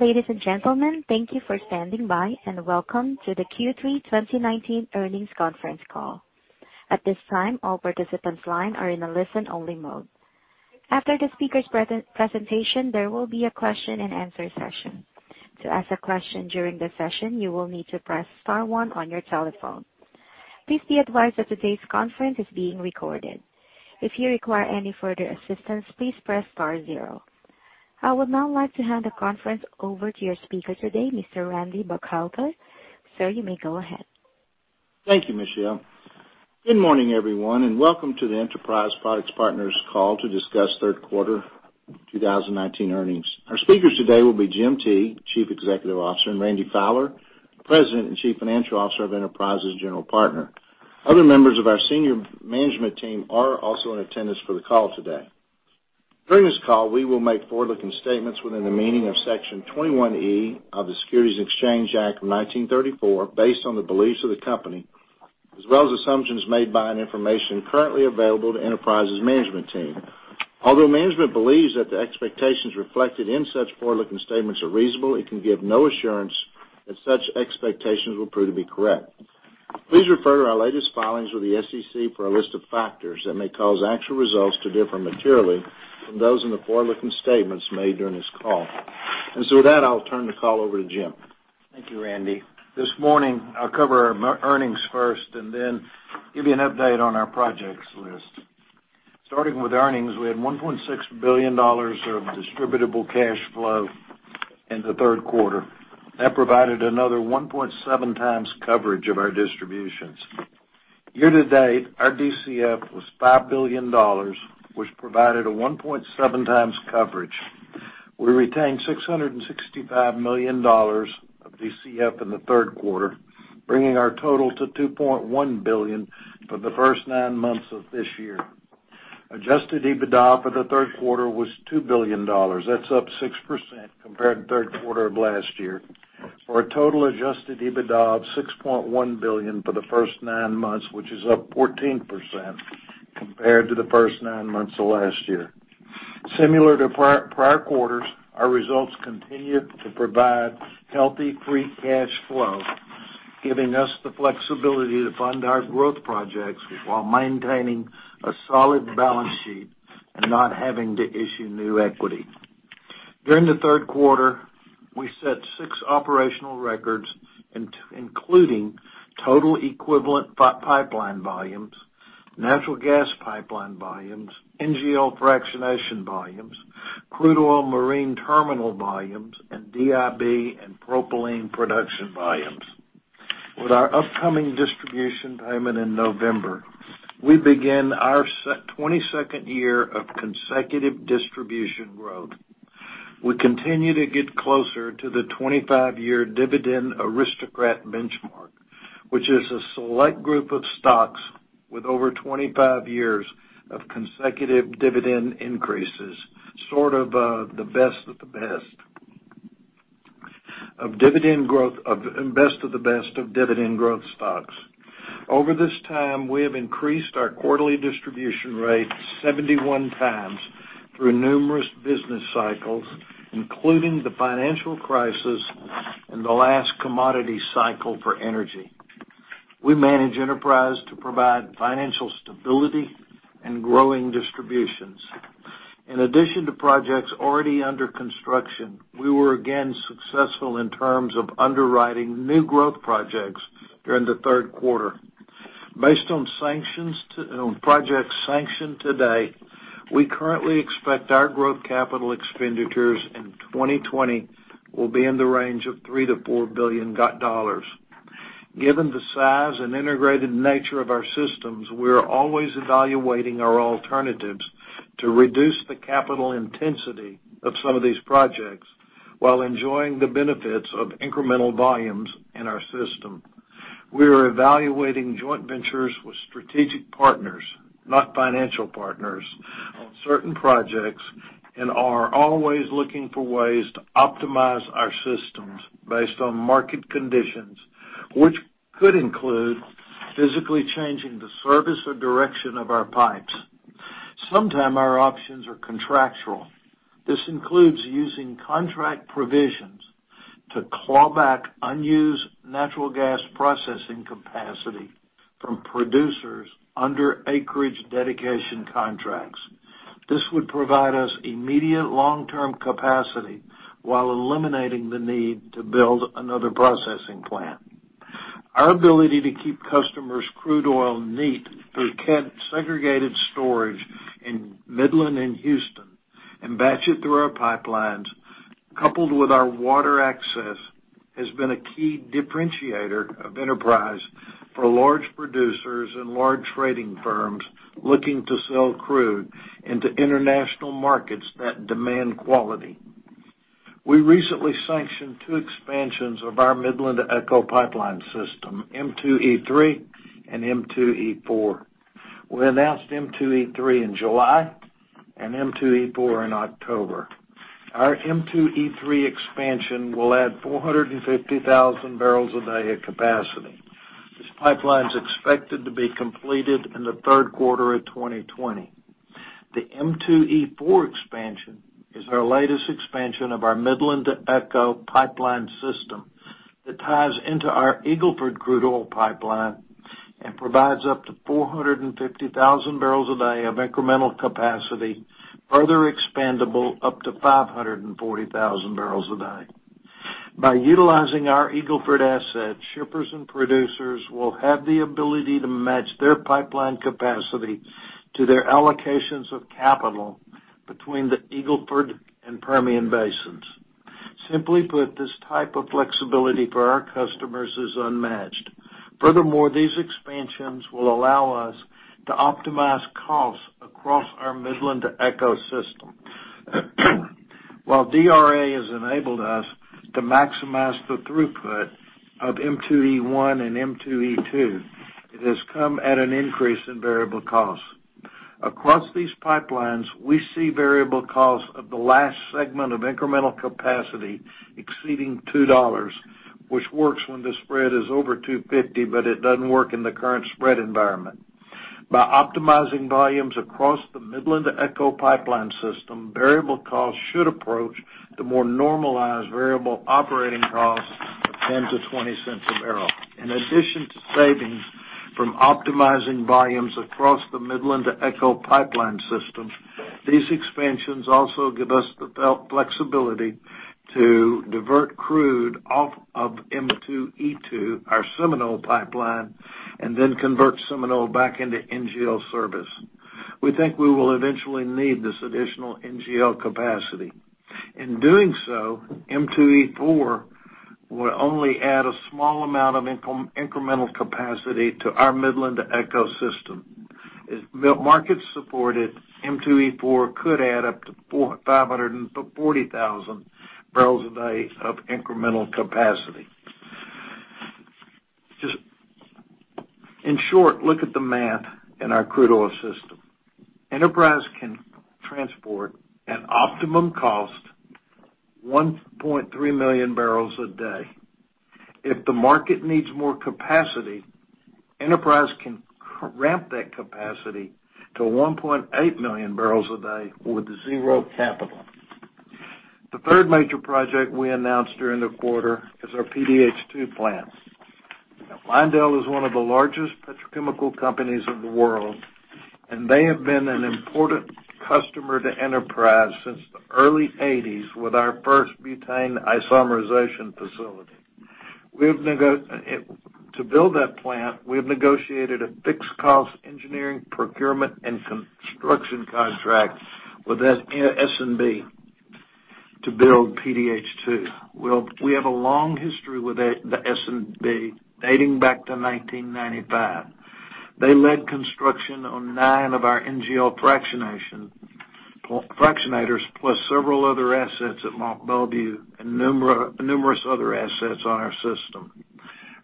Ladies and gentlemen, thank you for standing by, and welcome to the Q3 2019 earnings conference call. At this time, all participants line are in a listen-only mode. After the speaker's presentation, there will be a question and answer session. To ask a question during the session, you will need to press star one on your telephone. Please be advised that today's conference is being recorded. If you require any further assistance, please press star zero. I would now like to hand the conference over to your speaker today, Mr. Randy Burkhalter. Sir, you may go ahead. Thank you, Michelle. Good morning, everyone, and welcome to the Enterprise Products Partners call to discuss third quarter 2019 earnings. Our speakers today will be Jim Teague, Chief Executive Officer, and Randy Fowler, President and Chief Financial Officer of Enterprise's General Partner. Other members of our senior management team are also in attendance for the call today. During this call, we will make forward-looking statements within the meaning of Section 21E of the Securities Exchange Act of 1934, based on the beliefs of the company, as well as assumptions made by and information currently available to Enterprise's management team. Although management believes that the expectations reflected in such forward-looking statements are reasonable, it can give no assurance that such expectations will prove to be correct. Please refer to our latest filings with the SEC for a list of factors that may cause actual results to differ materially from those in the forward-looking statements made during this call. With that, I'll turn the call over to Jim. Thank you, Randy. This morning, I'll cover our earnings first and then give you an update on our projects list. Starting with earnings, we had $1.6 billion of distributable cash flow in the third quarter. That provided another 1.7 times coverage of our distributions. Year to date, our DCF was $5 billion, which provided a 1.7 times coverage. We retained $665 million of DCF in the third quarter, bringing our total to $2.1 billion for the first nine months of this year. Adjusted EBITDA for the third quarter was $2 billion. That's up 6% compared to third quarter of last year. For a total adjusted EBITDA of $6.1 billion for the first nine months, which is up 14% compared to the first nine months of last year. Similar to prior quarters, our results continued to provide healthy free cash flow, giving us the flexibility to fund our growth projects while maintaining a solid balance sheet and not having to issue new equity. During the third quarter, we set six operational records, including total equivalent pipeline volumes, natural gas pipeline volumes, NGL fractionation volumes, crude oil marine terminal volumes, and DIB and propylene production volumes. With our upcoming distribution payment in November, we begin our 22nd year of consecutive distribution growth. We continue to get closer to the 25-year dividend aristocrat benchmark, which is a select group of stocks with over 25 years of consecutive dividend increases, sort of the best of the best of dividend growth stocks. Over this time, we have increased our quarterly distribution rate 71 times through numerous business cycles, including the financial crisis and the last commodity cycle for energy. We manage Enterprise to provide financial stability and growing distributions. In addition to projects already under construction, we were again successful in terms of underwriting new growth projects during the third quarter. Based on projects sanctioned today, we currently expect our growth capital expenditures in 2020 will be in the range of $3 billion-$4 billion. Given the size and integrated nature of our systems, we're always evaluating our alternatives to reduce the capital intensity of some of these projects while enjoying the benefits of incremental volumes in our system. We are evaluating joint ventures with strategic partners, not financial partners, on certain projects and are always looking for ways to optimize our systems based on market conditions, which could include physically changing the service or direction of our pipes. Sometimes our options are contractual. This includes using contract provisions to claw back unused natural gas processing capacity from producers under acreage dedication contracts. This would provide us immediate long-term capacity while eliminating the need to build another processing plant. Our ability to keep customers' crude oil neat through segregated storage in Midland and Houston and batch it through our pipelines, coupled with our water access, has been a key differentiator of Enterprise Products Partners for large producers and large trading firms looking to sell crude into international markets that demand quality. We recently sanctioned two expansions of our Midland to ECHO Pipeline System, M2E3 and M2E4. We announced M2E3 in July and M2E4 in October. Our M2E3 expansion will add 450,000 barrels a day of capacity. This pipeline's expected to be completed in the third quarter of 2020. The M2E4 expansion is our latest expansion of our Midland to ECHO Pipeline System that ties into our Eagle Ford crude oil pipeline and provides up to 450,000 barrels a day of incremental capacity, further expandable up to 540,000 barrels a day. By utilizing our Eagle Ford asset, shippers and producers will have the ability to match their pipeline capacity to their allocations of capital between the Eagle Ford and Permian basins. Simply put, this type of flexibility for our customers is unmatched. These expansions will allow us to optimize costs across our Midland to ECHO system. While DRA has enabled us to maximize the throughput of M2E1 and M2E2, it has come at an increase in variable costs. Across these pipelines, we see variable costs of the last segment of incremental capacity exceeding $2, which works when the spread is over $2.50, but it doesn't work in the current spread environment. By optimizing volumes across the Midland to ECHO Pipeline System, variable costs should approach the more normalized variable operating costs of $0.10-$0.20 a barrel. In addition to savings from optimizing volumes across the Midland to ECHO Pipeline Systems, these expansions also give us the flexibility to divert crude off of M2E2, our Seminole pipeline, and then convert Seminole back into NGL service. We think we will eventually need this additional NGL capacity. In doing so, M2E4 will only add a small amount of incremental capacity to our Midland to ECHO System. If market supported, M2E4 could add up to 540,000 barrels a day of incremental capacity. Just in short, look at the math in our crude oil system. Enterprise can transport at optimum cost 1.3 million barrels a day. If the market needs more capacity, Enterprise can ramp that capacity to 1.8 million barrels a day with zero capital. The third major project we announced during the quarter is our PDH2 plant. Lyondell is one of the largest petrochemical companies in the world, and they have been an important customer to Enterprise since the early '80s with our first butane isomerization facility. To build that plant, we've negotiated a fixed cost engineering, procurement, and construction contract with S&B to build PDH2. We have a long history with S&B, dating back to 1995. They led construction on nine of our NGL fractionators plus several other assets at Mont Belvieu and numerous other assets on our system.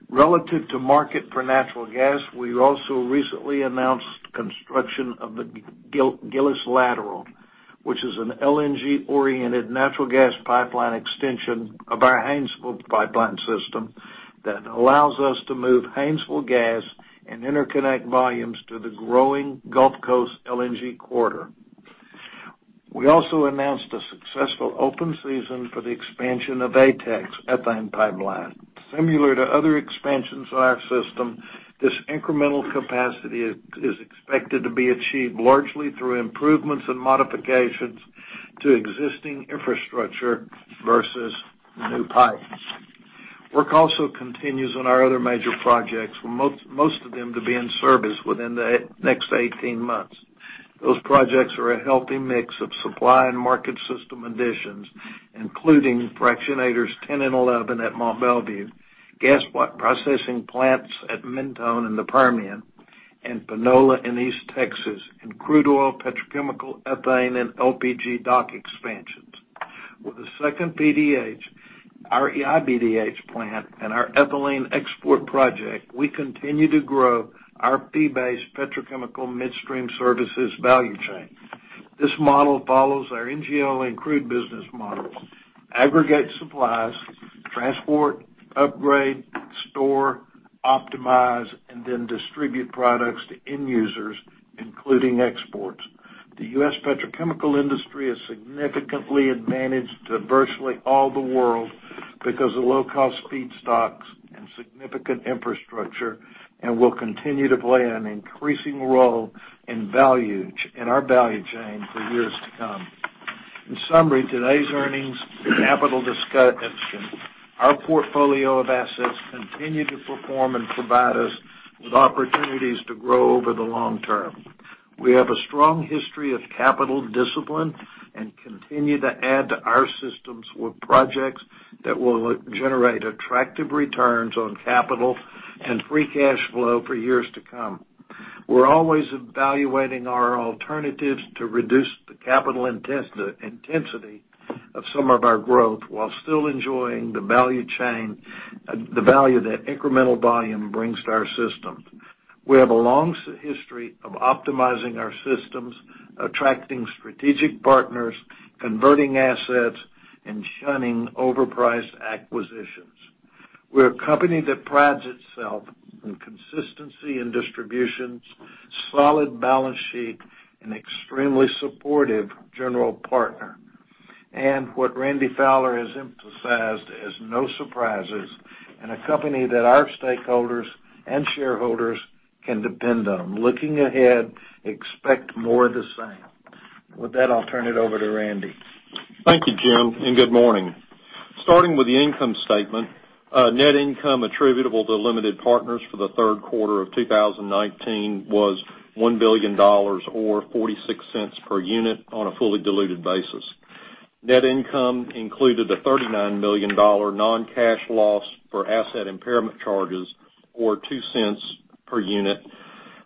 Relative to market for natural gas, we also recently announced construction of the Gillis Lateral, which is an LNG-oriented natural gas pipeline extension of our Haynesville pipeline system that allows us to move Haynesville gas and interconnect volumes to the growing Gulf Coast LNG corridor. We also announced a successful open season for the expansion of ATEX ethane pipeline. Similar to other expansions on our system, this incremental capacity is expected to be achieved largely through improvements and modifications to existing infrastructure versus new pipes. Work also continues on our other major projects, with most of them to be in service within the next 18 months. Those projects are a healthy mix of supply and market system additions, including fractionators 10 and 11 at Mont Belvieu, gas processing plants at Mentone in the Permian, and Panola in East Texas, and crude oil petrochemical ethane and LPG dock expansions. With the second PDH, our EI-PDH plant and our ethylene export project, we continue to grow our fee-based petrochemical midstream services value chain. This model follows our NGL and crude business models, aggregate supplies, transport, upgrade, store, optimize, and then distribute products to end users, including exports. The U.S. petrochemical industry is significantly advantaged to virtually all the world because of low-cost feedstocks and significant infrastructure and will continue to play an increasing role in our value chain for years to come. In summary, today's earnings, capital discussion, our portfolio of assets continue to perform and provide us with opportunities to grow over the long term. We have a strong history of capital discipline and continue to add to our systems with projects that will generate attractive returns on capital and free cash flow for years to come. We're always evaluating our alternatives to reduce the capital intensity of some of our growth while still enjoying the value that incremental volume brings to our systems. We have a long history of optimizing our systems, attracting strategic partners, converting assets, and shunning overpriced acquisitions. We're a company that prides itself on consistency in distributions, solid balance sheet, an extremely supportive general partner, and what Randy Fowler has emphasized as no surprises, and a company that our stakeholders and shareholders can depend on. Looking ahead, expect more of the same. With that, I'll turn it over to Randy. Thank you, Jim, and good morning. Starting with the income statement. Net income attributable to limited partners for the third quarter of 2019 was $1 billion, or $0.46 per unit on a fully diluted basis. Net income included a $39 million non-cash loss for asset impairment charges, or $0.02 per unit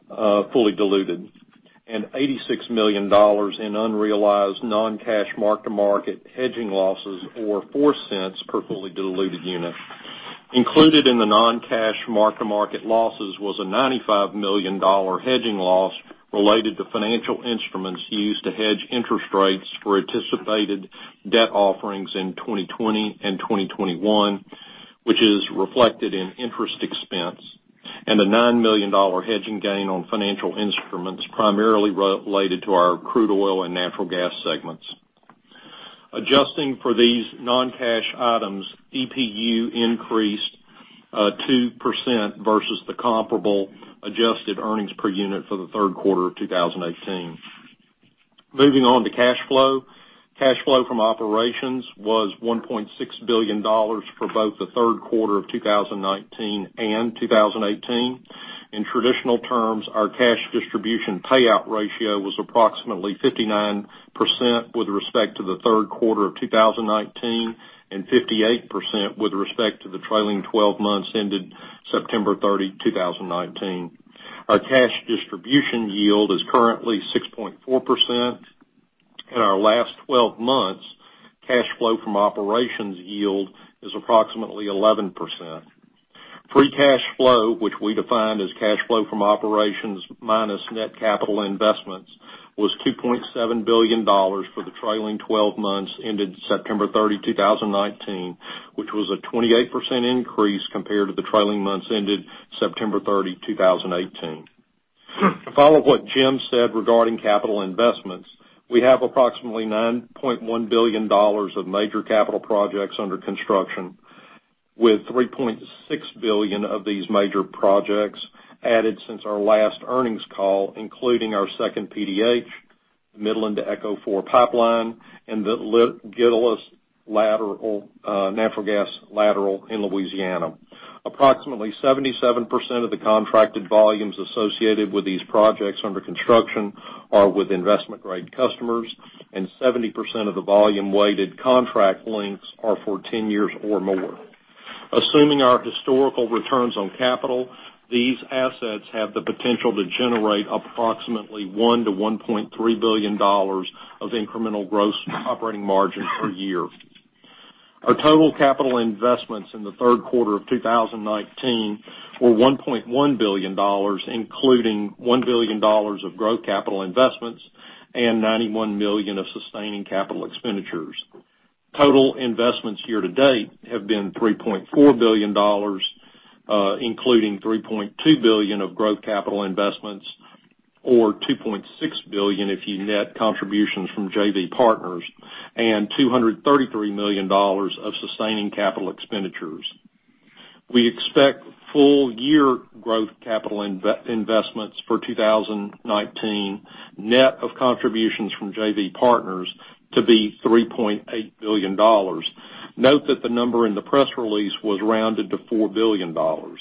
fully diluted, and $86 million in unrealized non-cash mark-to-market hedging losses, or $0.04 per fully diluted unit. Included in the non-cash mark-to-market losses was a $95 million hedging loss related to financial instruments used to hedge interest rates for anticipated debt offerings in 2020 and 2021, which is reflected in interest expense, and a $9 million hedging gain on financial instruments primarily related to our crude oil and natural gas segments. Adjusting for these non-cash items, EPU increased 2% versus the comparable adjusted earnings per unit for the third quarter of 2018. Moving on to cash flow. Cash flow from operations was $1.6 billion for both the third quarter of 2019 and 2018. In traditional terms, our cash distribution payout ratio was approximately 59% with respect to the third quarter of 2019, and 58% with respect to the trailing 12 months ended September 30, 2019. Our cash distribution yield is currently 6.4%. In our last 12 months, cash flow from operations yield is approximately 11%. Free cash flow, which we define as cash flow from operations minus net capital investments, was $2.7 billion for the trailing 12 months ended September 30, 2019, which was a 28% increase compared to the trailing months ended September 30, 2018. To follow what Jim said regarding capital investments, we have approximately $9.1 billion of major capital projects under construction, with $3.6 billion of these major projects added since our last earnings call, including our second PDH, Midland to ECHO 4 pipeline, and the Gillis natural gas lateral in Louisiana. Approximately 77% of the contracted volumes associated with these projects under construction are with investment-grade customers, and 70% of the volume-weighted contract lengths are for 10 years or more. Assuming our historical returns on capital, these assets have the potential to generate approximately $1 billion-$1.3 billion of incremental gross operating margin per year. Our total capital investments in the third quarter of 2019 were $1.1 billion, including $1 billion of growth capital investments and $91 million of sustaining capital expenditures. Total investments year-to-date have been $3.4 billion, including $3.2 billion of growth capital investments, or $2.6 billion if you net contributions from JV partners and $233 million of sustaining capital expenditures. We expect full-year growth capital investments for 2019, net of contributions from JV partners, to be $3.8 billion. Note that the number in the press release was rounded to $4 billion. The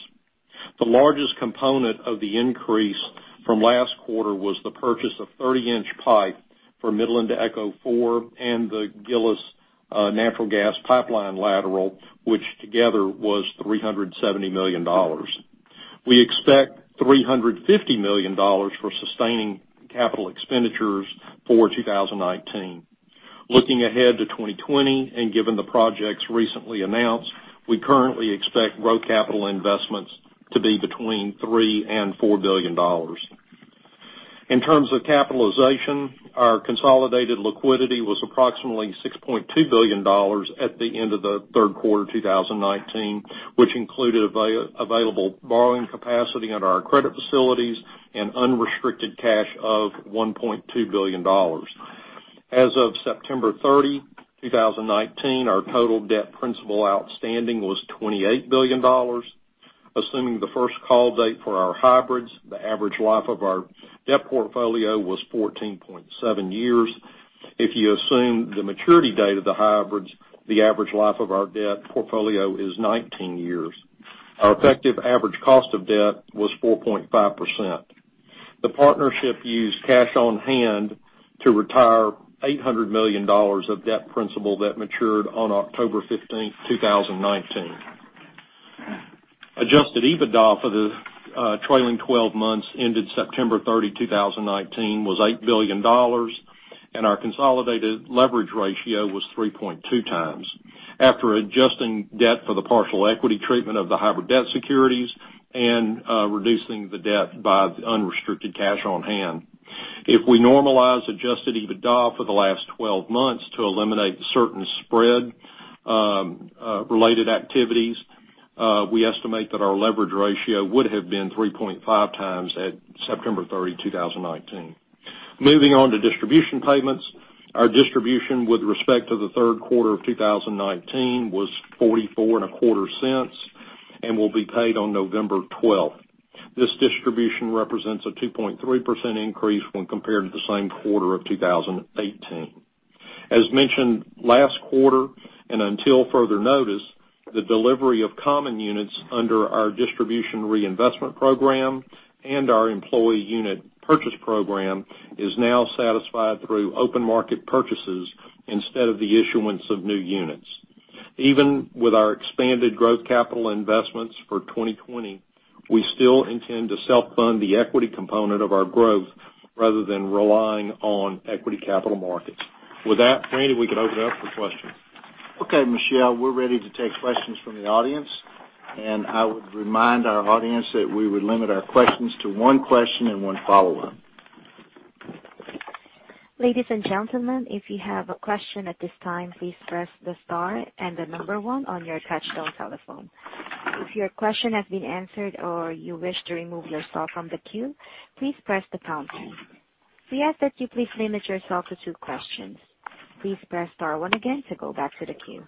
largest component of the increase from last quarter was the purchase of 30-inch pipe for Midland to ECHO 4 and the Gillis natural gas pipeline Lateral, which together was $370 million. We expect $350 million for sustaining capital expenditures for 2019. Looking ahead to 2020 and given the projects recently announced, we currently expect growth capital investments to be between $3 and $4 billion. In terms of capitalization, our consolidated liquidity was approximately $6.2 billion at the end of the third quarter 2019, which included available borrowing capacity at our credit facilities and unrestricted cash of $1.2 billion. As of September 30, 2019, our total debt principal outstanding was $28 billion. Assuming the first call date for our hybrids, the average life of our debt portfolio was 14.7 years. If you assume the maturity date of the hybrids, the average life of our debt portfolio is 19 years. Our effective average cost of debt was 4.5%. The partnership used cash on hand to retire $800 million of debt principal that matured on October 15th, 2019. Adjusted EBITDA for the trailing 12 months ended September 30, 2019, was $8 billion, and our consolidated leverage ratio was 3.2 times. After adjusting debt for the partial equity treatment of the hybrid debt securities and reducing the debt by the unrestricted cash on hand. If we normalize adjusted EBITDA for the last 12 months to eliminate certain spread-related activities, we estimate that our leverage ratio would have been 3.5 times at September 30, 2019. Moving on to distribution payments. Our distribution with respect to the third quarter of 2019 was $0.4425 and will be paid on November 12th. This distribution represents a 2.3% increase when compared to the same quarter of 2018. As mentioned last quarter, and until further notice, the delivery of common units under our Distribution Reinvestment Program and our Employee Unit Purchase Program is now satisfied through open market purchases instead of the issuance of new units. Even with our expanded growth capital investments for 2020, we still intend to self-fund the equity component of our growth rather than relying on equity capital markets. With that, Randy, we can open it up for questions. Okay, Michelle, we're ready to take questions from the audience. I would remind our audience that we would limit our questions to one question and one follow-up. Ladies and gentlemen, if you have a question at this time, please press the star and the number one on your touchtone telephone. If your question has been answered or you wish to remove yourself from the queue, please press the pound key. We ask that you please limit yourself to two questions. Please press star one again to go back to the queue.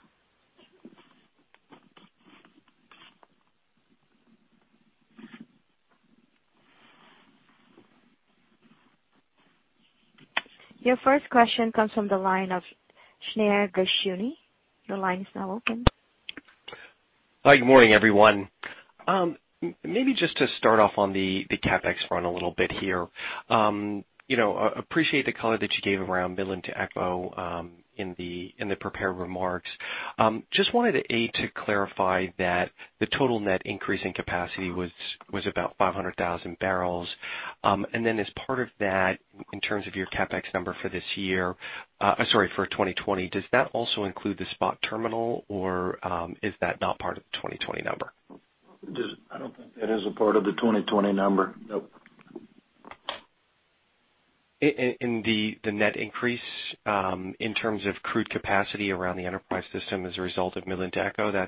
Your first question comes from the line of Shneur Gershuni. Your line is now open. Hi, good morning, everyone. Maybe just to start off on the CapEx front a little bit here. Appreciate the color that you gave around Midland to ECHO in the prepared remarks. Just wanted to, A, clarify that the total net increase in capacity was about 500,000 barrels. As part of that, in terms of your CapEx number for 2020, does that also include the SPOT terminal or is that not part of the 2020 number? I don't think that is a part of the 2020 number. Nope. The net increase in terms of crude capacity around the Enterprise system as a result of Midland to ECHO,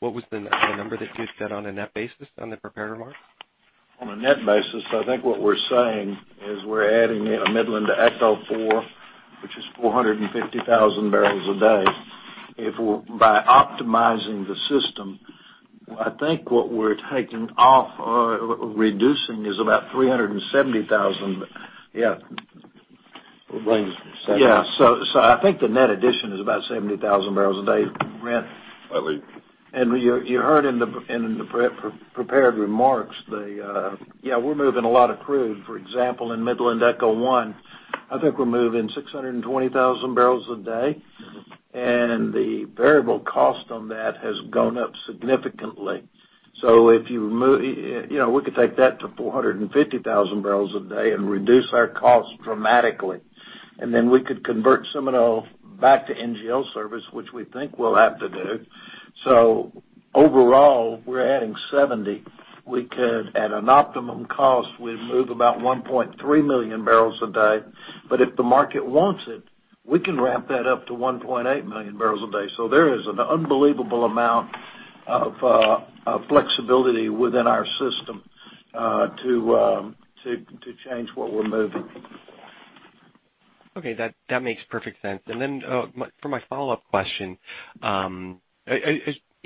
what was the number that you had said on a net basis on the prepared remarks? On a net basis, I think what we're saying is we're adding Midland to ECHO 4, which is 450,000 barrels a day. By optimizing the system, I think what we're taking off or reducing is about 370,000. Yeah. I believe it's 70. Yeah. I think the net addition is about 70,000 barrels a day, Brent. I believe. You heard in the prepared remarks, we're moving a lot of crude. For example, in Midland ECHO 1, I think we're moving 620,000 barrels a day, the variable cost on that has gone up significantly. We could take that to 450,000 barrels a day and reduce our cost dramatically. We could convert some of it back to NGL service, which we think we'll have to do. Overall, we're adding 70. At an optimum cost, we move about 1.3 million barrels a day. If the market wants it, we can ramp that up to 1.8 million barrels a day. There is an unbelievable amount of flexibility within our system to change what we're moving. Okay. That makes perfect sense. For my follow-up question,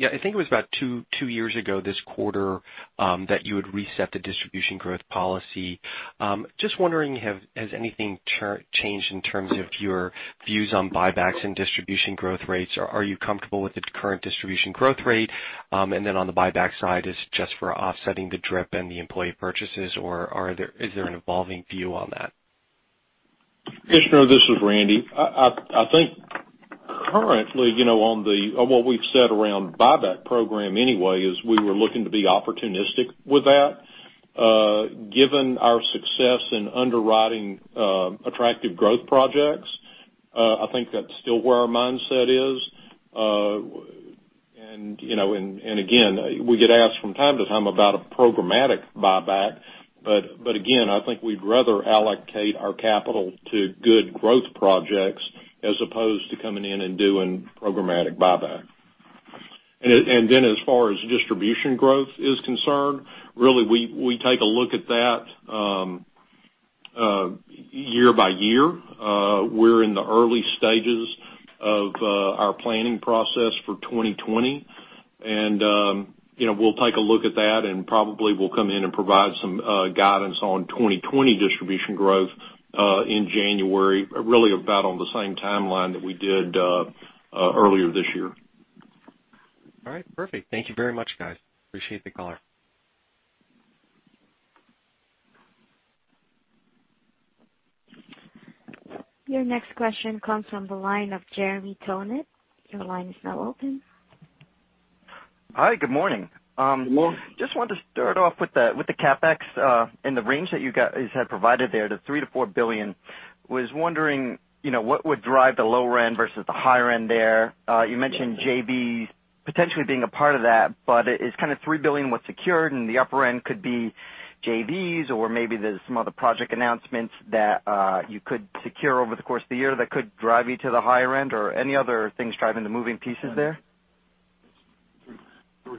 I think it was about two years ago this quarter that you had reset the distribution growth policy. Just wondering, has anything changed in terms of your views on buybacks and distribution growth rates? Are you comfortable with the current distribution growth rate? On the buyback side, is it just for offsetting the drip and the employee purchases, or is there an evolving view on that? Shneur, this is Randy. I think currently, on what we've said around buyback program anyway, is we were looking to be opportunistic with that. Given our success in underwriting attractive growth projects, I think that's still where our mindset is. Again, we get asked from time to time about a programmatic buyback. Again, I think we'd rather allocate our capital to good growth projects as opposed to coming in and doing programmatic buyback. Then as far as distribution growth is concerned, really, we take a look at that year by year. We're in the early stages of our planning process for 2020. We'll take a look at that and probably will come in and provide some guidance on 2020 distribution growth in January, really about on the same timeline that we did earlier this year. All right, perfect. Thank you very much, guys. Appreciate the color. Your next question comes from the line of Jeremy Tonet. Your line is now open. Hi, good morning. Good morning. Just wanted to start off with the CapEx and the range that you guys had provided there, the $3 billion-$4 billion. I was wondering, what would drive the lower end versus the higher end there? You mentioned JVs potentially being a part of that, but it's kind of $3 billion was secured, and the upper end could be JVs or maybe there's some other project announcements that you could secure over the course of the year that could drive you to the higher end, or any other things driving the moving pieces there? Three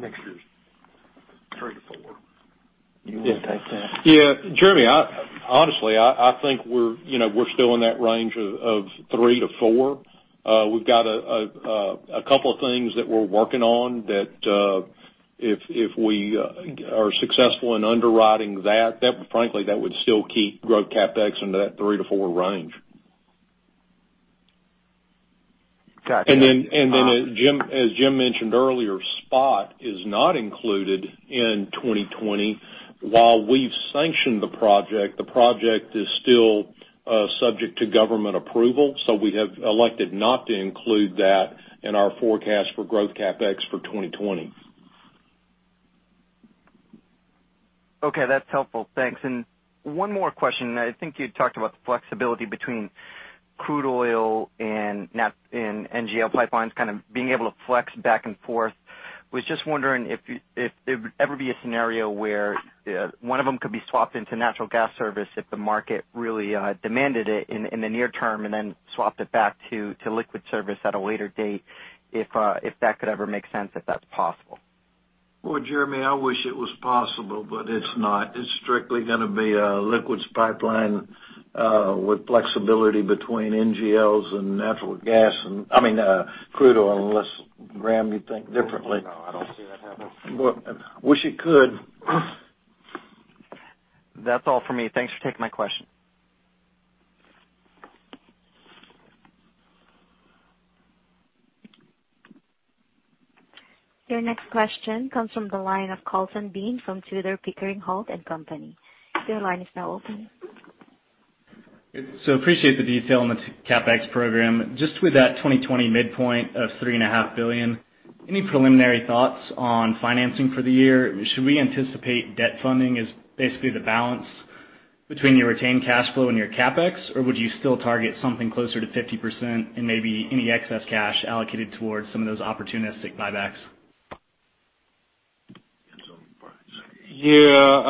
to four this year. Next year's three to four. You want to take that? Yeah, Jeremy, honestly, I think we're still in that range of $3-$4. We've got a couple of things that we're working on that, if we are successful in underwriting that, frankly, that would still keep growth CapEx under that $3-$4 range. Got you. As Jim mentioned earlier, SPOT is not included in 2020. While we've sanctioned the project, the project is still subject to government approval, so we have elected not to include that in our forecast for growth CapEx for 2020. Okay, that's helpful. Thanks. One more question. I think you talked about the flexibility between crude oil and NGL pipelines, kind of being able to flex back and forth. Was just wondering if there would ever be a scenario where one of them could be swapped into natural gas service if the market really demanded it in the near term, and then swapped it back to liquid service at a later date, if that could ever make sense, if that's possible. Well, Jeremy, I wish it was possible, but it's not. It's strictly going to be a liquids pipeline with flexibility between NGLs and natural gas, I mean, crude oil, unless Graham, you think differently. No, I don't see that happening. Well, wish it could. That's all for me. Thanks for taking my question. Your next question comes from the line of Colton Bean from Tudor, Pickering, Holt & Co. Your line is now open. Appreciate the detail on the CapEx program. Just with that 2020 midpoint of $three and a half billion, any preliminary thoughts on financing for the year? Should we anticipate debt funding as basically the balance between your retained cash flow and your CapEx, or would you still target something closer to 50% and maybe any excess cash allocated towards some of those opportunistic buybacks? Yeah.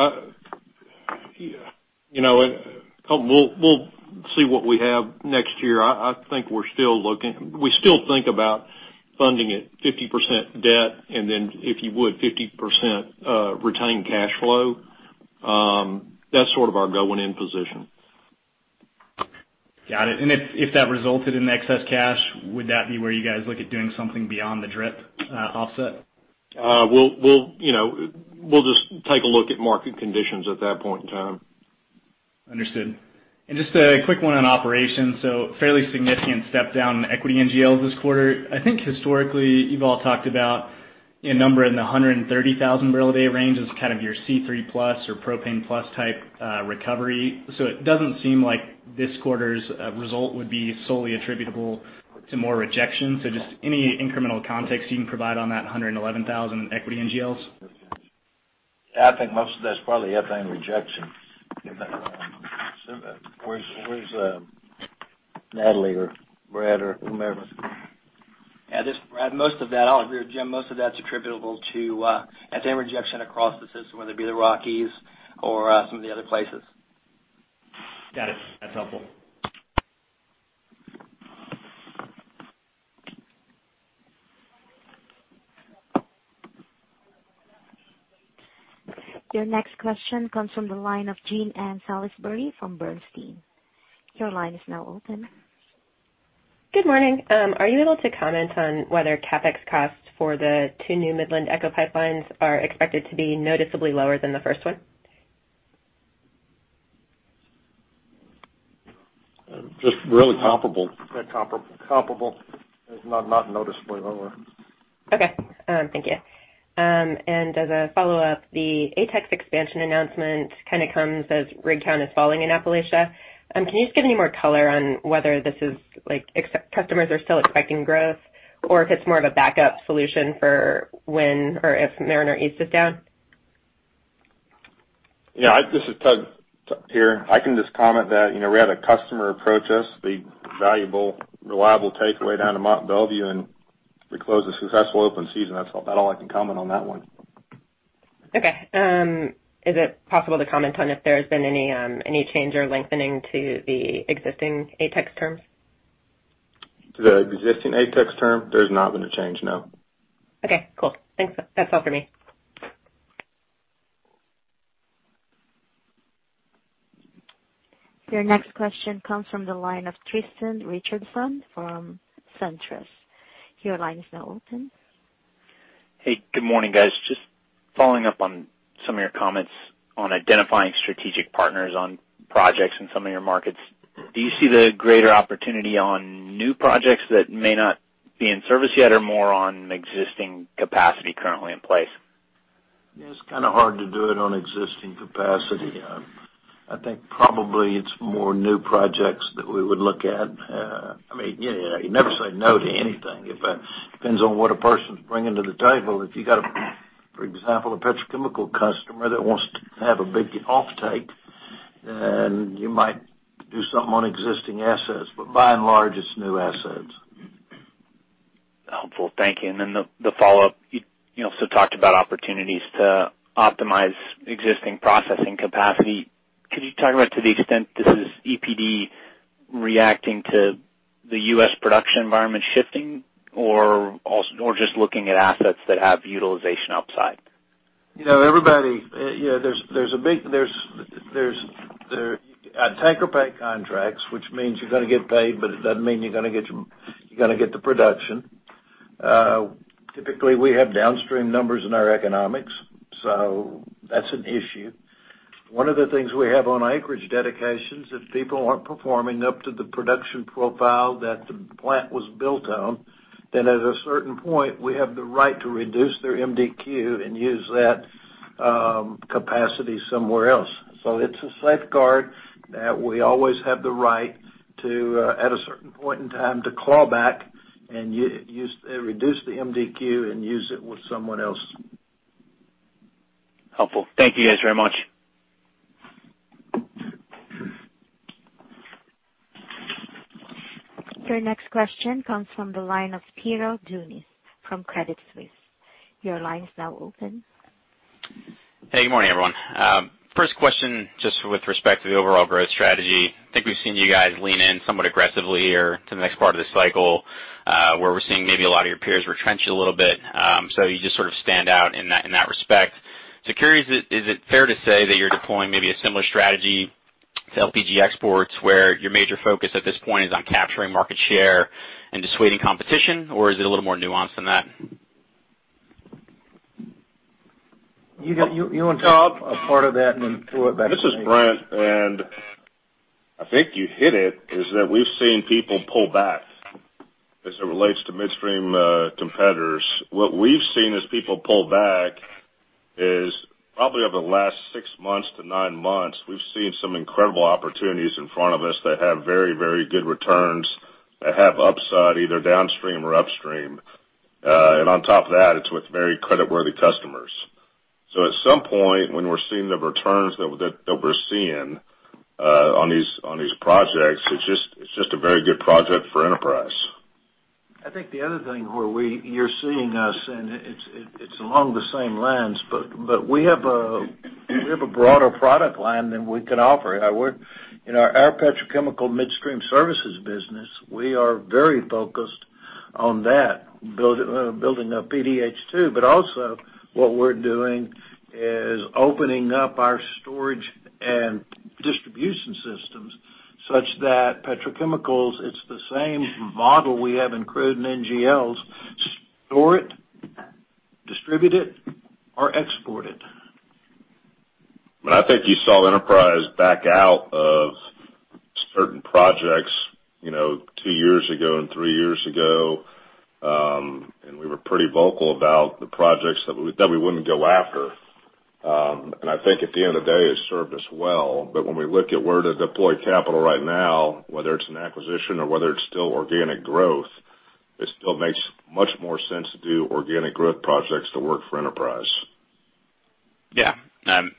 We'll see what we have next year. I think we still think about funding it 50% debt and then, if you would, 50% retained cash flow. That's sort of our going-in position. Got it. If that resulted in excess cash, would that be where you guys look at doing something beyond the drip offset? We'll just take a look at market conditions at that point in time. Understood. Just a quick one on operations. Fairly significant step down in equity NGLs this quarter. I think historically you've all talked about a number in the 130,000 barrel a day range as kind of your C3 plus or propane plus type recovery. It doesn't seem like this quarter's result would be solely attributable to more rejections. Just any incremental context you can provide on that 111,000 equity NGLs? I think most of that's probably ethane rejection. Where's Natalie or Brad or whomever? Yeah, this is Brad. Most of that, I'll agree with Jim. Most of that's attributable to, I'd say, rejection across the system, whether it be the Rockies or some of the other places. Got it. That's helpful. Your next question comes from the line of Jean Ann Salisbury from Bernstein. Your line is now open. Good morning. Are you able to comment on whether CapEx costs for the two new Midland ECHO pipelines are expected to be noticeably lower than the first one? Just really comparable. Yeah, comparable. Not noticeably lower. Okay. Thank you. As a follow-up, the ATEX expansion announcement kind of comes as rig count is falling in Appalachia. Can you just give any more color on whether this is like customers are still expecting growth, or if it's more of a backup solution for when or if Mariner East is down? Yeah. This is Tug here. I can just comment that we had a customer approach us, the valuable, reliable takeaway down to Mont Belvieu, and we closed a successful open season. That's all I can comment on that one. Okay. Is it possible to comment on if there's been any change or lengthening to the existing ATEX terms? To the existing ATEX term? There's not been a change, no. Okay, cool. Thanks. That's all for me. Your next question comes from the line of Tristan Richardson from SunTrust. Your line is now open. Hey, good morning, guys. Just following up on some of your comments on identifying strategic partners on projects in some of your markets. Do you see the greater opportunity on new projects that may not be in service yet, or more on existing capacity currently in place? It's kind of hard to do it on existing capacity. I think probably it's more new projects that we would look at. You never say no to anything. It depends on what a person's bringing to the table. If you got, for example, a petrochemical customer that wants to have a big offtake, then you might do something on existing assets. By and large, it's new assets. Helpful. Thank you. The follow-up, you also talked about opportunities to optimize existing processing capacity. Could you talk about to the extent this is EPD reacting to the U.S. production environment shifting or just looking at assets that have utilization upside? Take or pay contracts, which means you're going to get paid, but it doesn't mean you're going to get the production. Typically, we have downstream numbers in our economics. That's an issue. One of the things we have on acreage dedications, if people aren't performing up to the production profile that the plant was built on, at a certain point, we have the right to reduce their MDQ and use that capacity somewhere else. It's a safeguard that we always have the right to, at a certain point in time, to claw back and reduce the MDQ and use it with someone else. Helpful. Thank you guys very much. Your next question comes from the line of Spiro Dounis from Credit Suisse. Your line is now open. Hey, good morning, everyone. First question, just with respect to the overall growth strategy. I think we've seen you guys lean in somewhat aggressively here to the next part of this cycle, where we're seeing maybe a lot of your peers retrench a little bit. You just sort of stand out in that respect. Curious, is it fair to say that you're deploying maybe a similar strategy to LPG exports, where your major focus at this point is on capturing market share and dissuading competition? Is it a little more nuanced than that? You want to take a part of that and then throw it back to me? This is Brent, and I think you hit it, is that we've seen people pull back as it relates to midstream competitors. What we've seen as people pull back is probably over the last six months to nine months, we've seen some incredible opportunities in front of us that have very good returns, that have upside either downstream or upstream. On top of that, it's with very credit-worthy customers. At some point, when we're seeing the returns that we're seeing on these projects, it's just a very good project for Enterprise. I think the other thing where you're seeing us, and it's along the same lines, but we have a broader product line than we can offer. In our petrochemical midstream services business, we are very focused on that, building up PDH2. Also what we're doing is opening up our storage and distribution systems such that petrochemicals, it's the same model we have in crude and NGLs. Store it, distribute it, or export it. I think you saw Enterprise back out of certain projects two years ago and three years ago. We were pretty vocal about the projects that we wouldn't go after. I think at the end of the day, it served us well. When we look at where to deploy capital right now, whether it's an acquisition or whether it's still organic growth, it still makes much more sense to do organic growth projects that work for Enterprise. Yeah.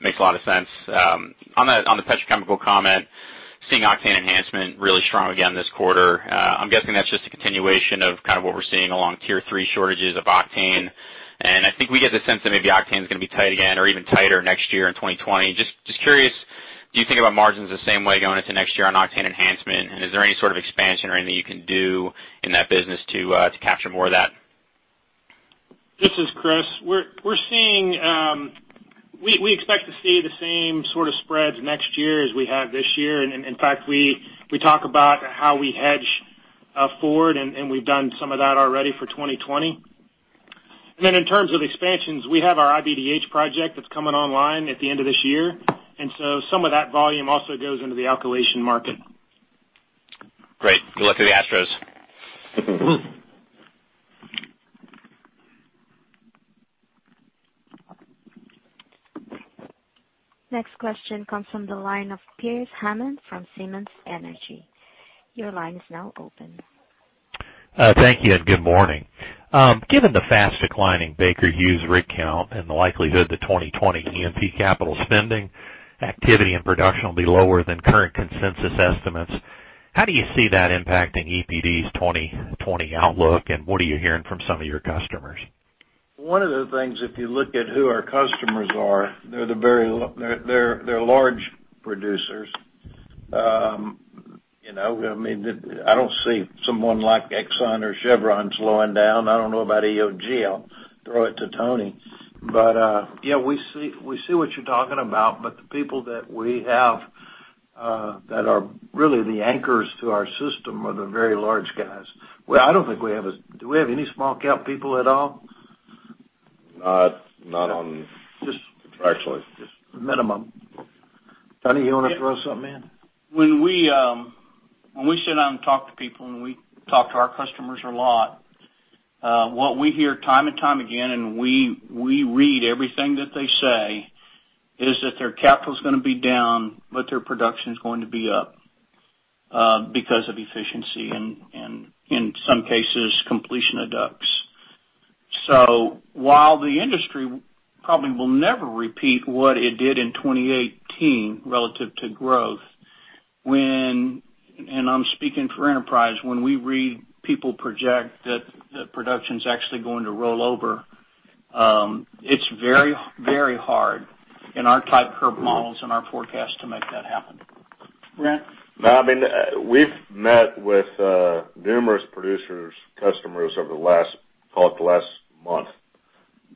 Makes a lot of sense. On the petrochemical comment, seeing octane enhancement really strong again this quarter. I'm guessing that's just a continuation of kind of what we're seeing along tier 3 shortages of octane. I think we get the sense that maybe octane's going to be tight again or even tighter next year in 2020. Just curious, do you think about margins the same way going into next year on octane enhancement, and is there any sort of expansion or anything you can do in that business to capture more of that? This is Chris. We expect to see the same sort of spreads next year as we have this year. In fact, we talk about how we hedge forward, and we've done some of that already for 2020. Then in terms of expansions, we have our iBDH project that's coming online at the end of this year, some of that volume also goes into the alkylation market. Great. Good luck to the Astros. Next question comes from the line of Pearce Hammond from Simmons Energy. Your line is now open. Thank you, and good morning. Given the fast declining Baker Hughes rig count and the likelihood that 2020 E&P capital spending activity and production will be lower than current consensus estimates, how do you see that impacting EPD's 2020 outlook, and what are you hearing from some of your customers? One of the things, if you look at who our customers are, they're large producers. I don't see someone like Exxon or Chevron slowing down. I don't know about EOG. I'll throw it to Tony. Yeah, we see what you're talking about, but the people that we have that are really the anchors to our system are the very large guys. Do we have any small count people at all? Not on contracts. Just minimum. Tony, you want to throw something in? When we sit down and talk to people, and we talk to our customers a lot, what we hear time and time again, and we read everything that they say, is that their capital's going to be down, but their production's going to be up. Because of efficiency and in some cases, completion of DUCs. While the industry probably will never repeat what it did in 2018 relative to growth, when, and I'm speaking for Enterprise, when we read people project that production's actually going to roll over, it's very hard in our type curve models and our forecast to make that happen. Brent? No, we've met with numerous producers, customers over the last month,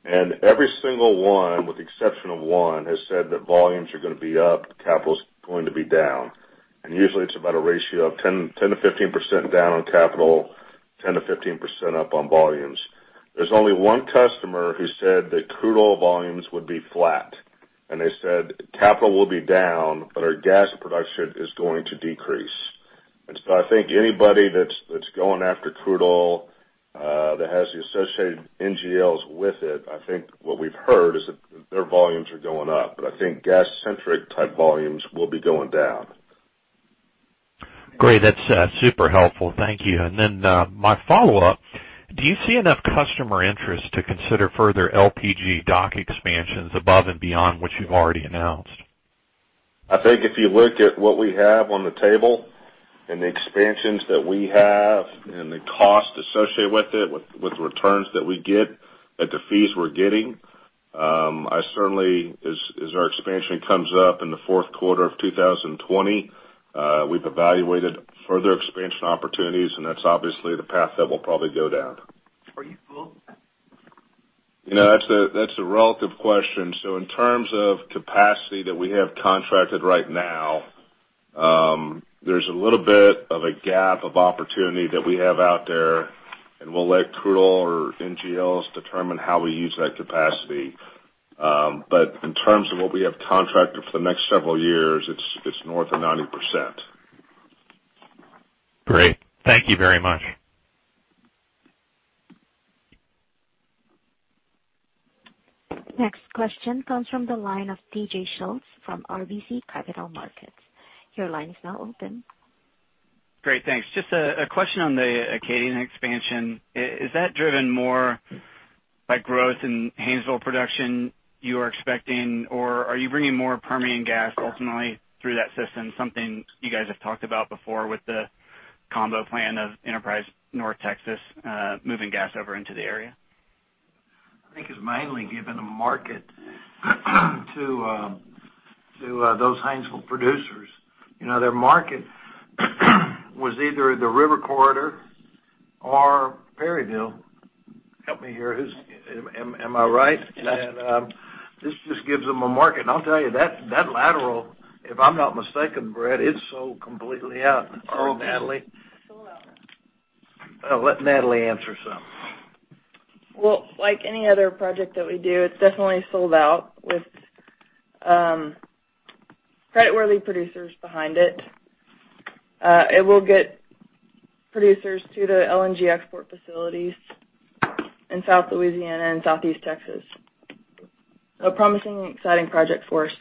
and every single one, with the exception of one, has said that volumes are going to be up, capital's going to be down. Usually it's about a ratio of 10%-15% down on capital, 10%-15% up on volumes. There's only one customer who said that crude oil volumes would be flat, and they said capital will be down, but our gas production is going to decrease. I think anybody that's going after crude oil, that has the associated NGLs with it, I think what we've heard is that their volumes are going up. I think gas-centric type volumes will be going down. Great. That's super helpful. Thank you. My follow-up, do you see enough customer interest to consider further LPG dock expansions above and beyond what you've already announced? I think if you look at what we have on the table and the expansions that we have and the cost associated with it, with the returns that we get, at the fees we're getting, I certainly, as our expansion comes up in the fourth quarter of 2020, we've evaluated further expansion opportunities, and that's obviously the path that we'll probably go down. Are you full? That's a relative question. In terms of capacity that we have contracted right now, there's a little bit of a gap of opportunity that we have out there, and we'll let crude oil or NGLs determine how we use that capacity. In terms of what we have contracted for the next several years, it's north of 90%. Great. Thank you very much. Next question comes from the line of T.J. Schultz from RBC Capital Markets. Your line is now open. Great. Thanks. Just a question on the Acadian expansion. Is that driven more by growth in Haynesville production you are expecting or are you bringing more Permian gas ultimately through that system, something you guys have talked about before with the combo plan of Enterprise North Texas, moving gas over into the area? I think it's mainly giving a market to those Haynesville producers. Their market was either the River Corridor or Perryville. Help me here. Am I right? Yes. This just gives them a market. I'll tell you, that lateral, if I'm not mistaken, Brent, it's sold completely out. Natalie? Sold out. I'll let Natalie answer some. Well, like any other project that we do, it is definitely sold out with creditworthy producers behind it. It will get producers to the LNG export facilities in South Louisiana and Southeast Texas. A promising and exciting project for us.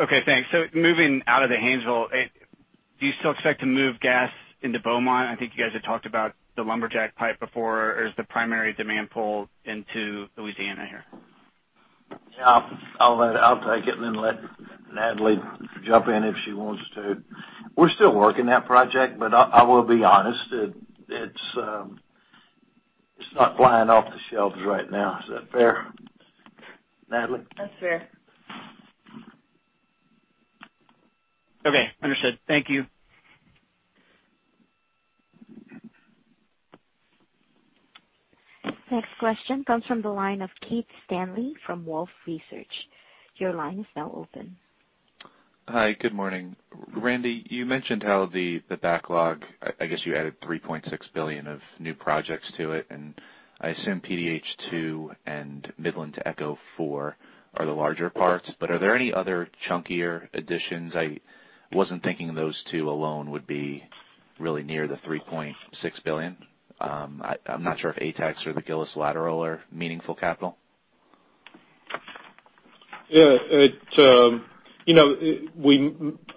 Okay, thanks. Moving out of the Haynesville, do you still expect to move gas into Beaumont? I think you guys have talked about the Lumberjack pipe before. Is the primary demand pull into Louisiana here? Yeah. I'll take it and then let Natalie jump in if she wants to. We're still working that project, but I will be honest, it's not flying off the shelves right now. Is that fair, Natalie? That's fair. Okay. Understood. Thank you. Next question comes from the line of Keith Stanley from Wolfe Research. Your line is now open. Hi. Good morning. Randy, you mentioned how the backlog, I guess you added $3.6 billion of new projects to it, and I assume PDH 2 and Midland to ECHO 4 are the larger parts. Are there any other chunkier additions? I wasn't thinking those two alone would be really near the $3.6 billion. I'm not sure if ATEX or the Gillis Lateral are meaningful capital. Yeah.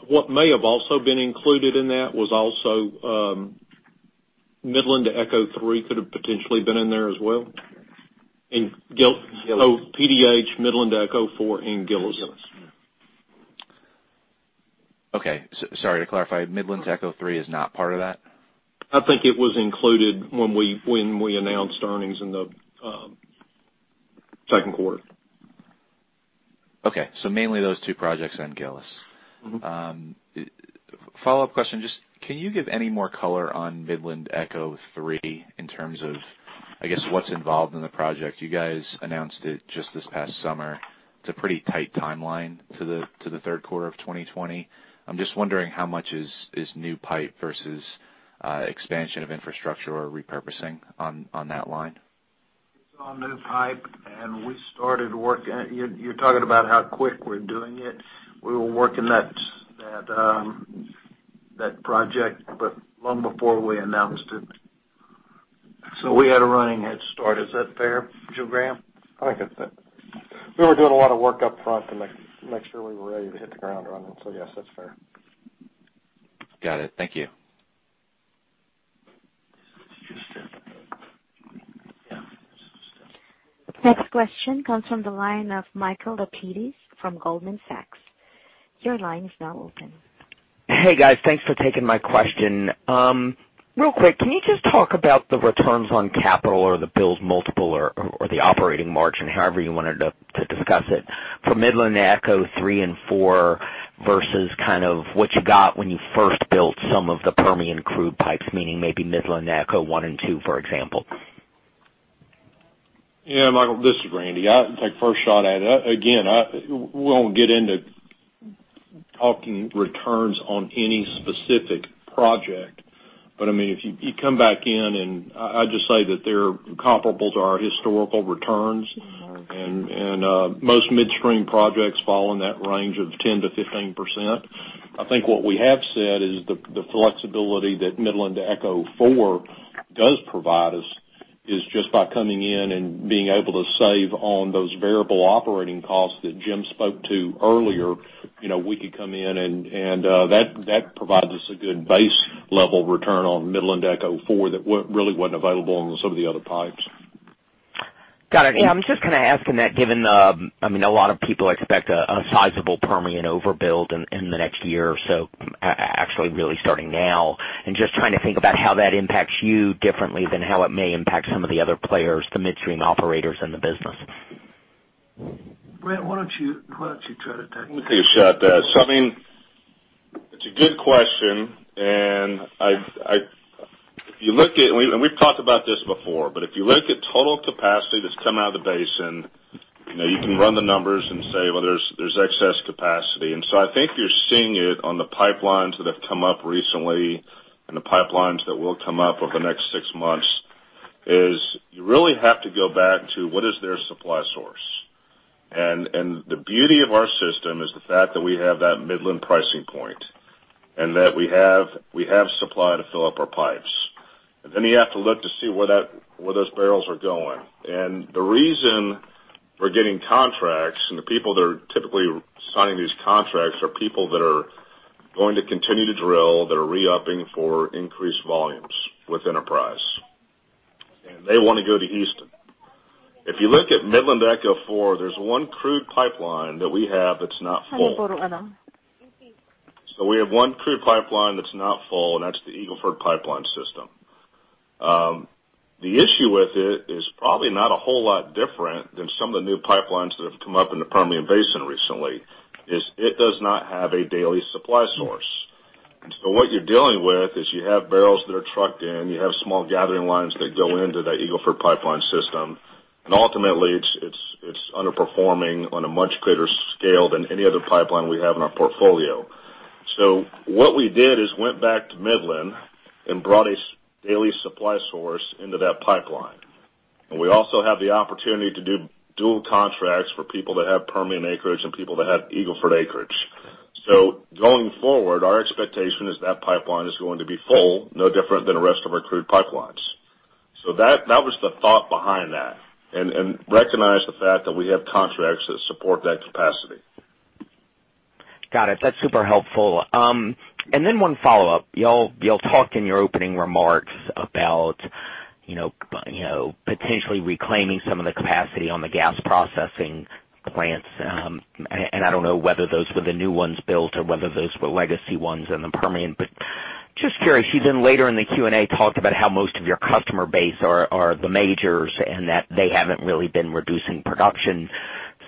What may have also been included in that was also Midland to ECHO 3 could have potentially been in there as well. PDH, Midland to ECHO 4, and Gillis. Okay. Sorry to clarify, Midland to ECHO 3 is not part of that? I think it was included when we announced earnings in the second quarter. Okay. Mainly those two projects and Gillis. Follow-up question. Can you give any more color on Midland Echo 3 in terms of, I guess, what's involved in the project? You guys announced it just this past summer. It's a pretty tight timeline to the third quarter of 2020. I'm just wondering how much is new pipe versus expansion of infrastructure or repurposing on that line. It's all new pipe. You're talking about how quick we're doing it. We were working that project long before we announced it. We had a running head start. Is that fair, Joe Graham? I think that's it. We were doing a lot of work upfront to make sure we were ready to hit the ground running. Yes, that's fair. Got it. Thank you. This is just it. Yeah. This is it. Next question comes from the line of Michael Lapides from Goldman Sachs. Your line is now open. Hey, guys. Thanks for taking my question. Real quick, can you just talk about the returns on capital or the EBITDA multiple or the operating margin, however you wanted to discuss it, for Midland Echo 3 and 4 versus what you got when you first built some of the Permian crude pipes, meaning maybe Midland Echo 1 and 2, for example? Yeah, Michael, this is Randy. I'll take the first shot at it. Again, we won't get into talking returns on any specific project, but if you come back in, and I just say that they're comparable to our historical returns. Most midstream projects fall in that range of 10%-15%. I think what we have said is the flexibility that Midland Echo four does provide us is just by coming in and being able to save on those variable operating costs that Jim spoke to earlier. We could come in, and that provides us a good base-level return on Midland Echo four that really wasn't available on some of the other pipes. Got it. I'm just asking that given a lot of people expect a sizable Permian overbuild in the next year or so, actually really starting now, and just trying to think about how that impacts you differently than how it may impact some of the other players, the midstream operators in the business. Brent, why don't you try to take this? Let me take a shot at that. It's a good question, and we've talked about this before, but if you look at total capacity that's coming out of the basin, you can run the numbers and say, well, there's excess capacity. I think you're seeing it on the pipelines that have come up recently and the pipelines that will come up over the next six months is you really have to go back to what is their supply source. The beauty of our system is the fact that we have that Midland pricing point and that we have supply to fill up our pipes. You have to look to see where those barrels are going. The reason we're getting contracts and the people that are typically signing these contracts are people that are going to continue to drill, that are re-upping for increased volumes with Enterprise. They want to go to Houston. If you look at Midland to ECHO 4, there's one crude pipeline that we have that's not full. We have one crude pipeline that's not full, and that's the Eagle Ford pipeline system. The issue with it is probably not a whole lot different than some of the new pipelines that have come up in the Permian Basin recently, is it does not have a daily supply source. What you're dealing with is you have barrels that are trucked in, you have small gathering lines that go into that Eagle Ford pipeline system. Ultimately, it's underperforming on a much greater scale than any other pipeline we have in our portfolio. What we did is went back to Midland and brought a daily supply source into that pipeline. We also have the opportunity to do dual contracts for people that have Permian acreage and people that have Eagle Ford acreage. Going forward, our expectation is that pipeline is going to be full, no different than the rest of our crude pipelines. That was the thought behind that. Recognize the fact that we have contracts that support that capacity. Got it. That's super helpful. Then one follow-up. You all talked in your opening remarks about potentially reclaiming some of the capacity on the gas processing plants. I don't know whether those were the new ones built or whether those were legacy ones in the Permian, but just curious. You then later in the Q&A talked about how most of your customer base are the majors and that they haven't really been reducing production.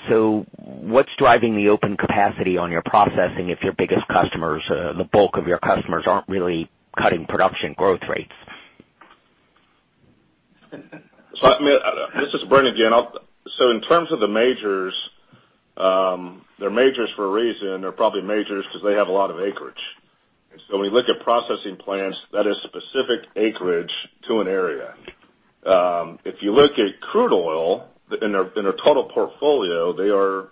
What's driving the open capacity on your processing if your biggest customers, the bulk of your customers aren't really cutting production growth rates? This is Brent again. In terms of the majors, they're majors for a reason. They're probably majors because they have a lot of acreage. When you look at processing plants, that is specific acreage to an area. If you look at crude oil in their total portfolio, they are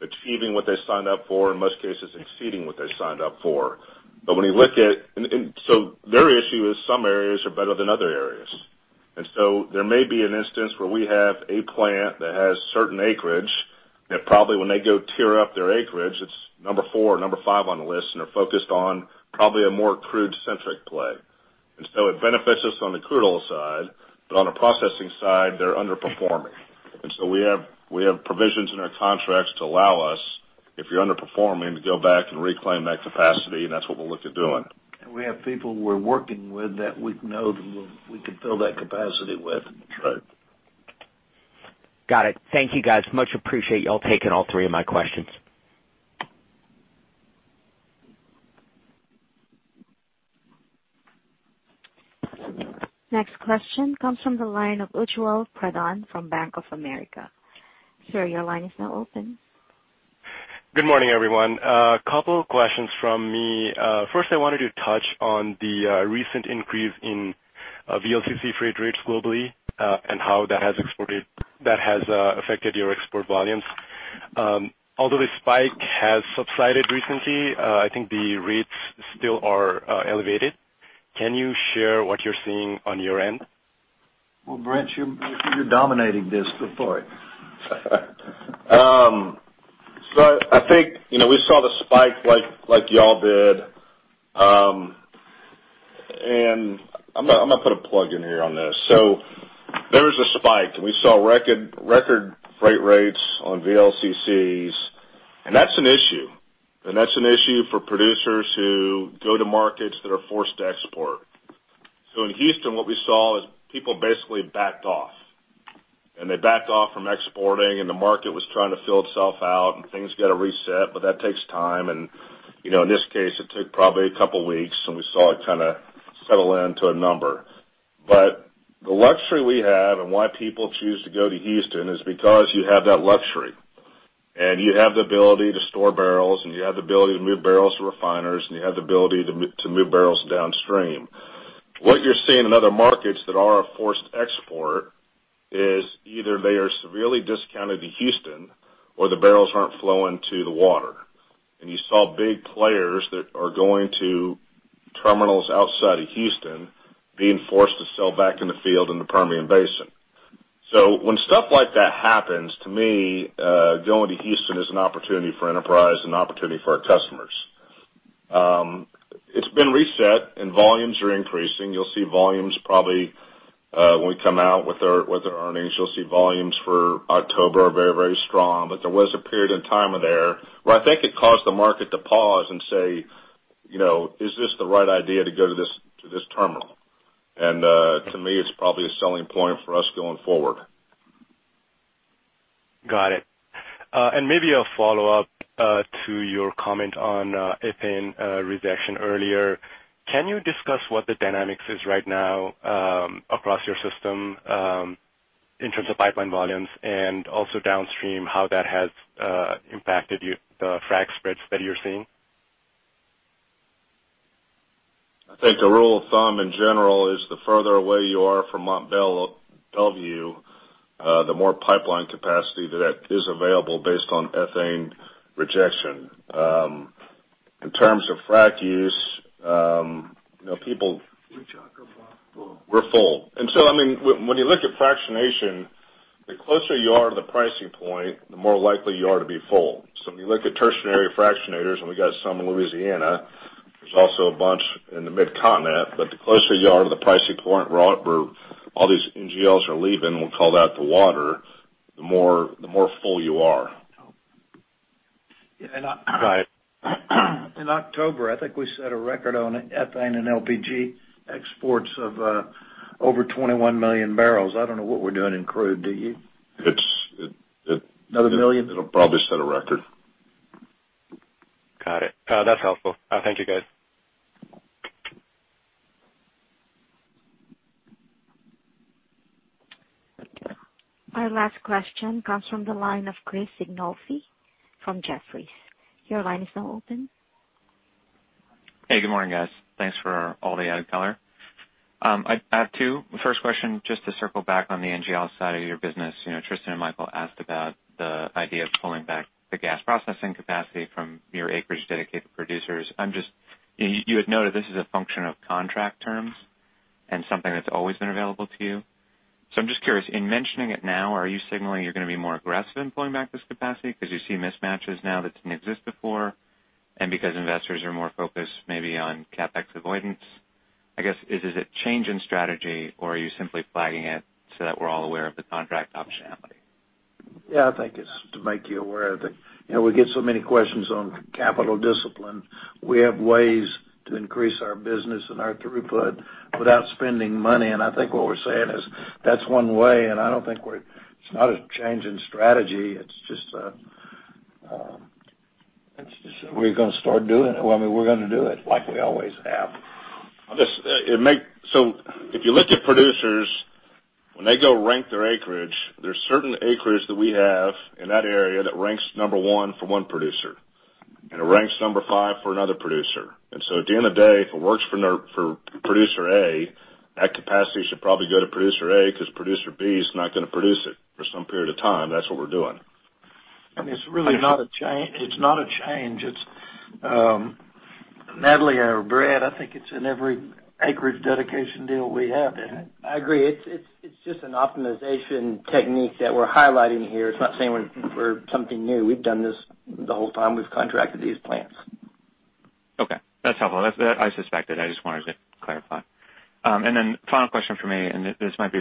achieving what they signed up for, in most cases exceeding what they signed up for. Their issue is some areas are better than other areas. There may be an instance where we have a plant that has certain acreage that probably when they go tier up their acreage, it's number 4 or number 5 on the list, and they're focused on probably a more crude-centric play. It benefits us on the crude oil side, but on the processing side, they're underperforming. We have provisions in our contracts to allow us, if you're underperforming, to go back and reclaim that capacity, and that's what we'll look at doing. We have people we're working with that we know that we could fill that capacity with. Got it. Thank you, guys. Much appreciate you all taking all three of my questions. Next question comes from the line of Uche Oputa from Bank of America. Sir, your line is now open. Good morning, everyone. A couple of questions from me. First I wanted to touch on the recent increase in VLCC freight rates globally, and how that has affected your export volumes. Although the spike has subsided recently, I think the rates still are elevated. Can you share what you're seeing on your end? Well, Brent, you're dominating this. Go for it. I think, we saw the spike like you all did. I'm going to put a plug in here on this. There was a spike, and we saw record freight rates on VLCCs, and that's an issue. That's an issue for producers who go to markets that are forced to export. In Houston, what we saw is people basically backed off. They backed off from exporting, and the market was trying to fill itself out, and things got to reset, but that takes time. In this case, it took probably a couple of weeks, and we saw it kind of settle into a number. The luxury we have and why people choose to go to Houston is because you have that luxury. You have the ability to store barrels, and you have the ability to move barrels to refiners, and you have the ability to move barrels downstream. What you're seeing in other markets that are a forced export is either they are severely discounted to Houston or the barrels aren't flowing to the water. You saw big players that are going to terminals outside of Houston being forced to sell back in the field in the Permian Basin. When stuff like that happens, to me, going to Houston is an opportunity for Enterprise and an opportunity for our customers. It's been reset and volumes are increasing. You'll see volumes probably when we come out with our earnings. You'll see volumes for October are very strong. There was a period in time there where I think it caused the market to pause and say, "Is this the right idea to go to this terminal?" To me, it's probably a selling point for us going forward. Got it. Maybe a follow-up to your comment on ethane rejection earlier. Can you discuss what the dynamics is right now across your system in terms of pipeline volumes and also downstream, how that has impacted the frac spreads that you're seeing? I think the rule of thumb in general is the further away you are from Mont Belvieu, the more pipeline capacity that is available based on ethane rejection. In terms of frac use. We talk about full. We're full. I mean, when you look at fractionation, the closer you are to the pricing point, the more likely you are to be full. When you look at tertiary fractionators, and we've got some in Louisiana, there's also a bunch in the Mid-Continent, but the closer you are to the pricing point where all these NGLs are leaving, we'll call that the water, the more full you are. Got it. In October, I think we set a record on ethane and LPG exports of over 21 million barrels. I don't know what we're doing in crude, do you? It's Another million? It'll probably set a record. Got it. No, that's helpful. Thank you, guys. Our last question comes from the line of Chris Sighinolfi from Jefferies. Your line is now open. Hey, good morning, guys. Thanks for all the added color. I have two. First question, just to circle back on the NGL side of your business. Tristan and Michael asked about the idea of pulling back the gas processing capacity from your acreage dedicated producers. You had noted this is a function of contract terms and something that's always been available to you. I'm just curious, in mentioning it now, are you signaling you're going to be more aggressive in pulling back this capacity because you see mismatches now that didn't exist before and because investors are more focused maybe on CapEx avoidance? I guess, is it a change in strategy or are you simply flagging it so that we're all aware of the contract optionality? Yeah, I think it's to make you aware of it. We get so many questions on capital discipline. We have ways to increase our business and our throughput without spending money, and I think what we're saying is that's one way, and I don't think it's not a change in strategy. It's just we're going to start doing it. Well, I mean, we're going to do it like we always have. If you look at producers, when they go rank their acreage, there's certain acreage that we have in that area that ranks number 1 for one producer and it ranks number 5 for another producer. At the end of the day, if it works for producer A, that capacity should probably go to producer A because producer B is not going to produce it for some period of time. That's what we're doing. I mean, it's really not a change. It's not a change. Natalie or Brad, I think it's in every acreage dedication deal we have, isn't it? I agree. It's just an optimization technique that we're highlighting here. It's not saying we're something new. We've done this the whole time we've contracted these plants. Okay. That's helpful. That I suspected. I just wanted to clarify. Final question from me, and this might be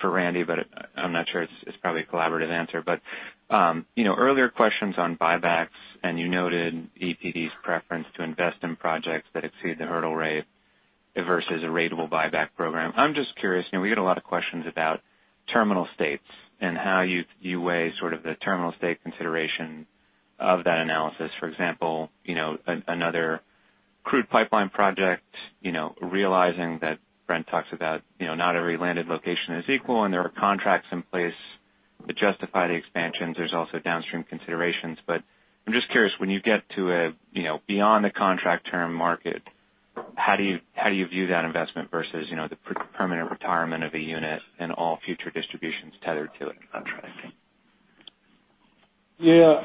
for Randy, but I'm not sure. It's probably a collaborative answer. Earlier questions on buybacks, and you noted EPD's preference to invest in projects that exceed the hurdle rate versus a ratable buyback program. I'm just curious, we get a lot of questions about terminal states and how you weigh sort of the terminal state consideration of that analysis. For example, another crude pipeline project, realizing that Brent talks about not every landed location is equal and there are contracts in place that justify the expansions. There's also downstream considerations. I'm just curious, when you get to beyond the contract term market, how do you view that investment versus the permanent retirement of a unit and all future distributions tethered to a contract? Yeah.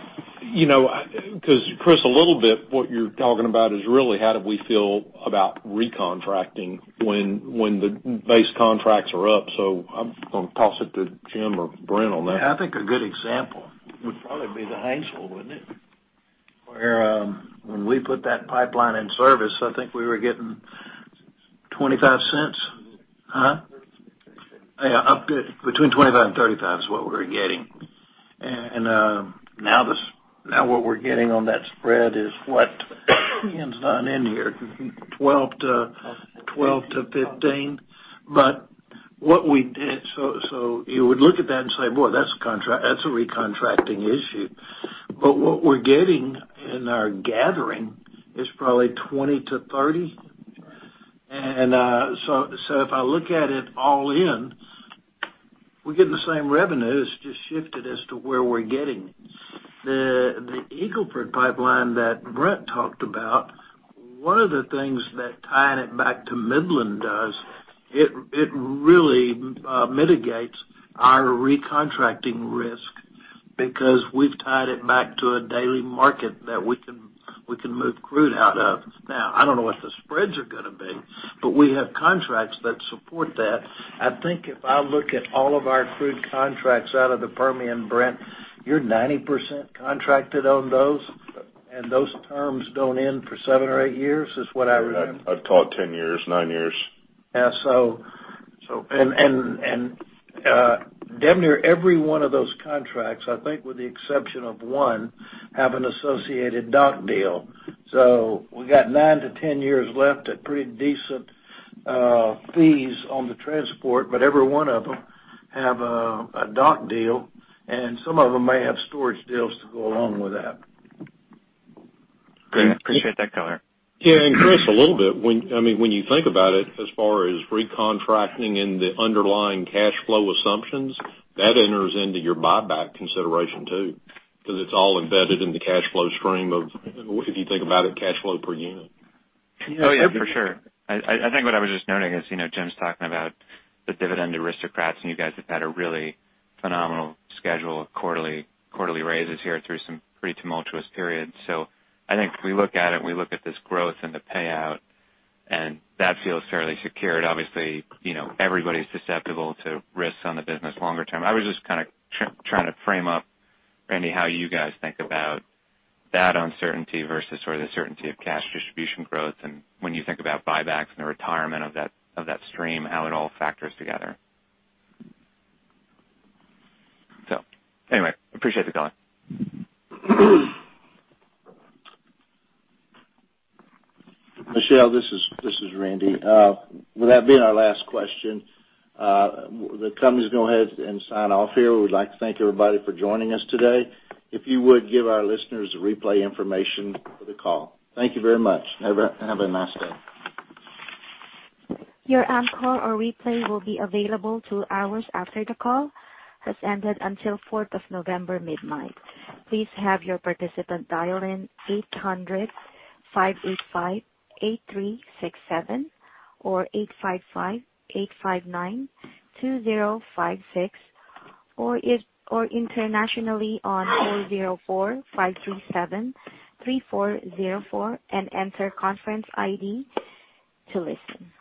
Chris, a little bit what you're talking about is really how do we feel about recontracting when the base contracts are up. I'm going to toss it to Jim or Brent on that. Yeah, I think a good example would probably be the ECHO, wouldn't it? Where when we put that pipeline in service, I think we were getting $0.25. Huh? Yeah. Between $0.25 and $0.35 is what we were getting. Now what we're getting on that spread is what Ian's done in here, $0.12 to $0.15. You would look at that and say, "Boy, that's a recontracting issue." What we're getting in our gathering is probably $0.20 to $0.30. If I look at it all in, we're getting the same revenues, just shifted as to where we're getting it. The Eagle Ford pipeline that Brent talked about, one of the things that tying it back to Midland does, it really mitigates our recontracting risk because we've tied it back to a daily market that we can move crude out of. I don't know what the spreads are going to be, but we have contracts that support that. I think if I look at all of our crude contracts out of the Permian, Brent, you're 90% contracted on those, and those terms don't end for seven or eight years, is what I remember. I've taught 10 years, nine years. Yeah. Damn near every one of those contracts, I think with the exception of one, have an associated dock deal. We got nine to 10 years left at pretty decent fees on the transport, every one of them have a dock deal, and some of them may have storage deals to go along with that. Great. Appreciate that color. Yeah. Chris, a little bit, when you think about it, as far as recontracting and the underlying cash flow assumptions, that enters into your buyback consideration too, because it's all embedded in the cash flow stream of, if you think about it, cash flow per unit. Oh, yeah. For sure. I think what I was just noting is, Jim's talking about the dividend aristocrats. You guys have had a really phenomenal schedule of quarterly raises here through some pretty tumultuous periods. I think if we look at it, we look at this growth and the payout, that feels fairly secured. Obviously, everybody's susceptible to risks on the business longer term. I was just kind of trying to frame up, Randy, how you guys think about that uncertainty versus sort of the certainty of cash distribution growth, when you think about buybacks and the retirement of that stream, how it all factors together. Anyway, appreciate the call. Michelle, this is Randy. With that being our last question, the company's going to go ahead and sign off here. We'd like to thank everybody for joining us today. If you would give our listeners the replay information for the call. Thank you very much. Have a nice day. Your on-call or replay will be available two hours after the call has ended until fourth of November midnight. Please have your participant dial in 800-585-8367 or 855-859-2056, or internationally on 004-537-3404 and enter conference ID to listen.